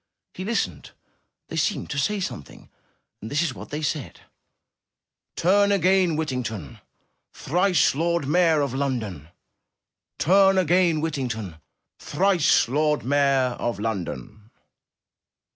He listened. They seemed to say some thing, and this was what they said: 'Turn again, Whittington, Thrice Lord Mayor of London! Turn again, Whittington, Thrice Lord Mayor of London!''